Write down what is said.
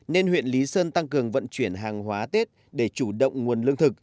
nên huyện lý sơn tăng cường vận chuyển hàng hóa tết để chủ động nguồn lương thực